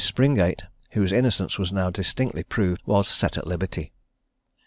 Springate, whose innocence was now distinctly proved, was set at liberty.